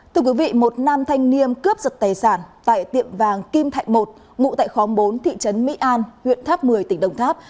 thưa quý vị một nam thanh niên cướp giật tài sản tại tiệm vàng kim thạnh một ngụ tại khóm bốn thị trấn mỹ an huyện tháp một mươi tỉnh đồng tháp